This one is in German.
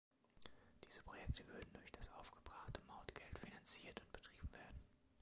Diese Projekte würden durch das aufgebrachte Mautgeld finanziert und betrieben werden.